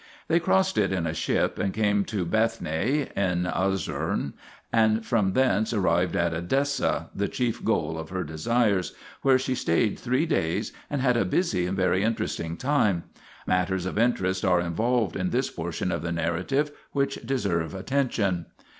They crossed it in a ship and came to Bathnae (in Osrhoene), and from thence arrived at Edessa, the chief goal of her desires, where she stayed three days and had a busy and very interesting time. Matters of interest are involved in this portion of the narrative, which deserve attention.